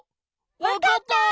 わかった！